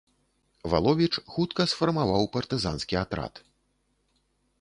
Валовіч хутка сфармаваў партызанскі атрад.